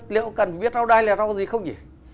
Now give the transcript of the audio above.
liệu cần phải biết rau đay là rau gì không nhỉ